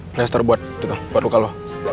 playstore buat tuh buat lo